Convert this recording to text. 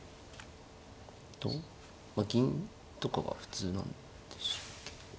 どうまあ銀とかが普通なんでしょうけど。